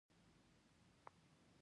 • اډیسن برېښنا اختراع کړه.